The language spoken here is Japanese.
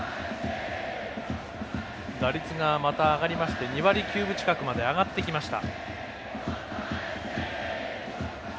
打率が、また上がりまして２割９分近くまで上がってきました。